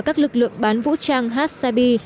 các lực lượng bán vũ trang hatsabi